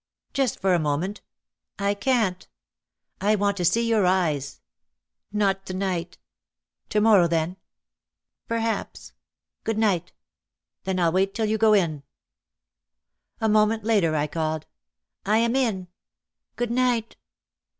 "Just for a moment." 1 can t. "I want to see your eyes." "Not to night." "To morrow then?" "Perhaps." "Good night ! Then I'll wait till you go in." A moment later I called : "I am in. Good night